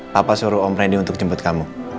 papa suruh om freddy untuk jemput kamu